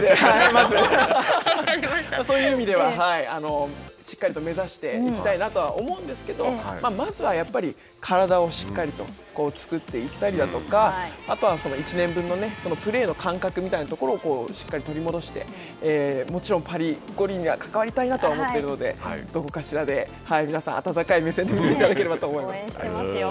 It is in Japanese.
まず。という意味では、しっかりと目指していきたいなとは思うんですけど、まずはやっぱり体をしっかりと作っていったりだとか、あとは１年分のプレーの感覚みたいなところを、しっかり取り戻して、もちろんパリ五輪には関わりたいと思っているのでどこかしらで皆さん、温かい目線応援していますよ。